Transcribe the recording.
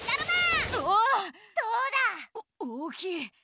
おおおきい。